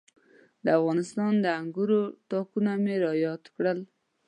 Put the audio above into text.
د افغانستان د انګورو تاکونه مې را یاد کړل.